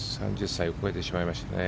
３０歳を超えてしまいましたね。